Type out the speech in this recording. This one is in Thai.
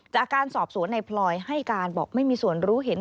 จากการสอบสวนในพลอยให้การบอกไม่มีส่วนรู้เห็น